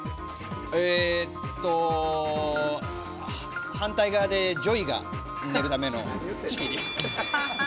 えっと、反対側でＪＯＹが寝るための仕切り。